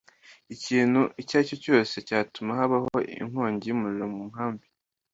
ikintu icyo ari cyo cyose cyatuma habaho inkongi y’umuriro mu nkambi.